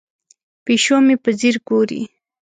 پیشو مې په ځیر ګوري.